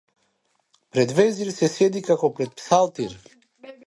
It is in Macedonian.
Пред везир се седи како пред псалтир!